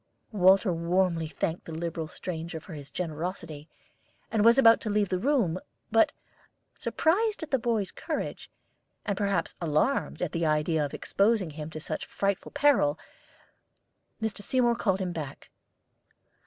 Walter warmly thanked the liberal stranger for his generosity, and was about to leave the room; but, surprised at the boy's courage, and perhaps alarmed at the idea of exposing him to such frightful peril, Mr. Seymour called him back.